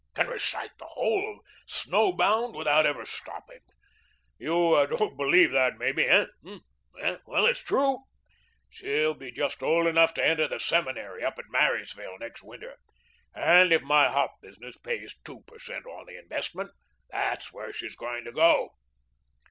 Can recite the whole of 'Snow Bound' without ever stopping. You don't believe that, maybe, hey? Well, it's true. She'll be just old enough to enter the Seminary up at Marysville next winter, and if my hop business pays two per cent. on the investment, there's where she's going to go."